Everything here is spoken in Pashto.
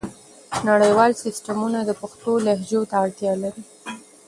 نړیوال سیسټمونه د پښتو لهجو ته اړتیا لري.